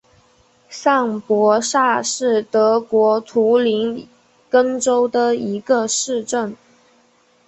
上伯萨是德国图林根州的一个市镇。